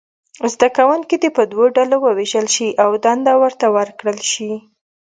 زده کوونکي دې په دوو ډلو وویشل شي او دنده ورته ورکړل شي.